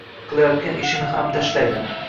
Qilayotgan ishini ham tashlaydi